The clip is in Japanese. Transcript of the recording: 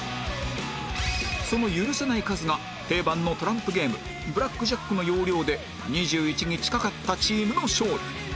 その許せない数が定番のトランプゲームブラックジャックの要領で２１に近かったチームの勝利